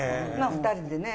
２人でね